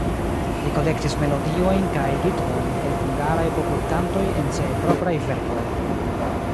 Li kolektis melodiojn kaj ritmojn el hungaraj popolkantoj en siaj propraj verkoj.